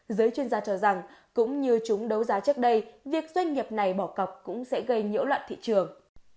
giới chuyên gia cho rằng cũng như chúng đấu giá trước đây việc doanh nghiệp này bỏ cọc cũng sẽ gây nhiễu loạn thị trường